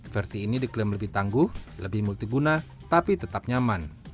versi ini diklaim lebih tangguh lebih multiguna tapi tetap nyaman